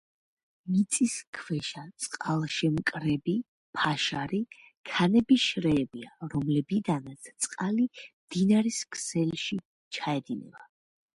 მიწისქვეშა წყალშემკრები ფაშარი ქანების შრეებია, რომლებიდანაც წყალი მდინარის ქსელში ჩაედინება.